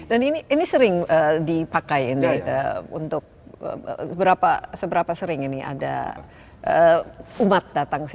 dan ini sering dipakai untuk seberapa sering ini ada umat datang sini